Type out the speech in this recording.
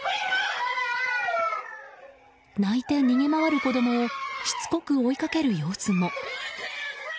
泣いて逃げ回る子供をしつこく追いかける様子も。